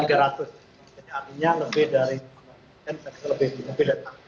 artinya lebih dari lebih dari